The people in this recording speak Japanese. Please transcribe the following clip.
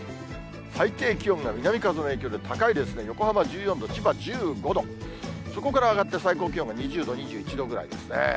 最低気温が南風の影響で高いですね、横浜１４度、千葉１５度、そこから上がって最高気温が２０度、２１度ぐらいですね。